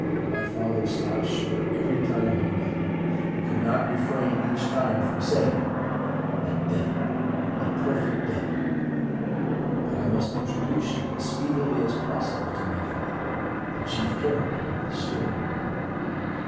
My father stopped short every time he met him, and could not refrain each time from saying, 'A devil, a perfect devil!' But I must introduce you as speedily as possible to my father, the chief character of this story.